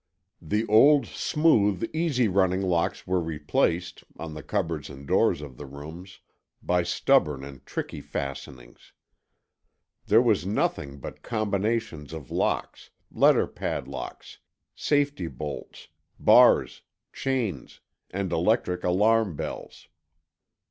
The old, smooth, easy running locks were replaced, on the cupboards and doors of the rooms, by stubborn and tricky fastenings. There was nothing but combinations of locks, letter padlocks, safety bolts, bars, chains, and electric alarm bells.